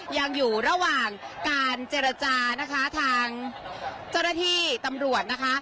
ยังอยู่ระหว่างการเจรจานะคะทางเจ้าหน้าที่ตำรวจนะคะ